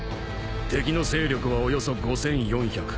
敵の勢力はおよそ５，４００。